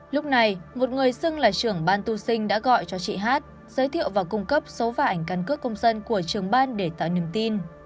lúc này một người xưng là trưởng ban tu sinh đã gọi cho chị hát giới thiệu và cung cấp số và ảnh căn cước công dân của trường ban để tạo niềm tin